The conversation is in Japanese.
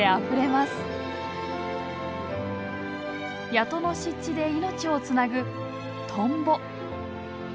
谷戸の湿地で命をつなぐトンボ。